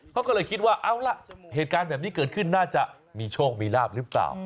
เขาก็เลยคิดว่าเอาล่ะเหตุการณ์แบบนี้เกิดขึ้นน่าจะมีโชคมีลาบหรือเปล่า